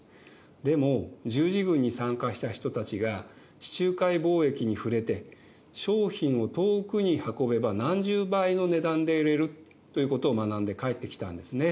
でも十字軍に参加した人たちが地中海貿易に触れて「商品を遠くに運べば何十倍の値段で売れる」ということを学んで帰ってきたんですね。